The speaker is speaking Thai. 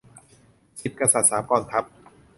สิบกษัตริย์ สามกองทัพ